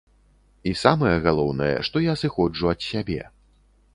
І самае галоўнае, што я сыходжу ад сябе.